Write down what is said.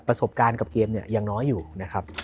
ประสบการณ์กับเกมเนี่ยยังน้อยอยู่นะครับ